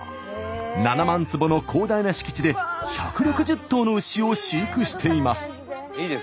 ７万坪の広大な敷地で１６０頭の牛を飼育しています。